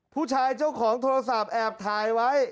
ผู้ชายเจ้าของโทรศัพท์แอบถ่ายไว้